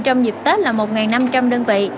trong dịp tết là một năm trăm linh đơn vị